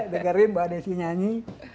dengarkan mbak desi nyanyi